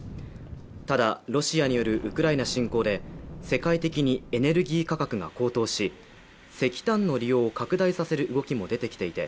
ただロシアによるウクライナ侵攻で世界的にエネルギー価格が高騰し石炭の利用を拡大させる動きも出てきていて